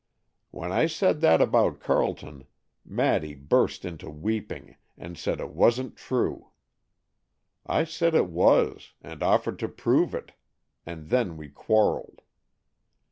When I said that about Carleton, Maddy burst into weeping, and said it wasn't true. I said it was, and offered to prove it, and then we quarrelled.